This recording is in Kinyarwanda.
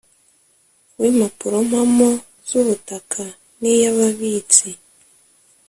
w Impapurompamo z Ubutaka n iy Ababitsi